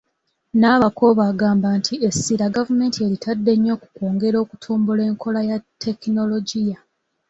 Nabakooba agamba nti essira gavumenti eritadde nnyo ku kwongera okutumbula enkola ya Tekinologiya.